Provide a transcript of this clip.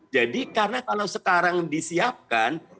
jadi karena kalau sekarang disiapkan